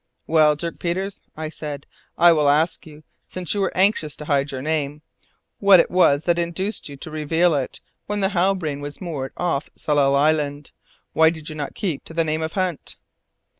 "Well, Dirk Peters," I said, "I will ask you, since you were anxious to hide your name, what it was that induced you to reveal it, when the Halbrane was moored off Tsalal Island; why you did not keep to the name of Hunt?"